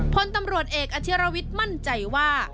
พลตำรวจเอกอาชิรวิทย์มั่นใจว่า